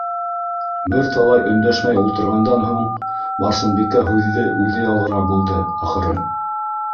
Бер талай өндәшмәй ултырғандан һуң Барсынбикә һүҙҙе үҙе ялғарға булды, ахыры: